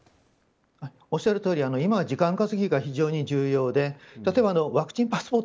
おっしゃるとおり今は時間稼ぎが非常に重要で例えばワクチンパスポート